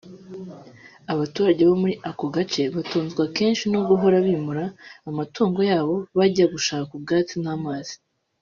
Abaturage bo muri ako gace batunzwe akenshi no guhora bimura amatungo yabo bajya gushaka ubwatsi n’amazi